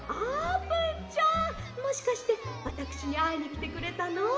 もしかしてわたくしにあいにきてくれたの？